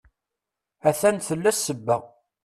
A-t-an tella ssebba.